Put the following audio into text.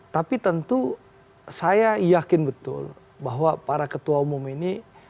tapi tentu saya yakin betul bahwa para ketua umum ini